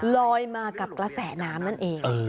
ลอยมากับกระแสน้ำนั่นเอง